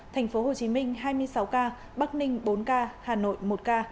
thành phố hồ chí minh hai mươi sáu ca bắc ninh bốn ca hà nội một ca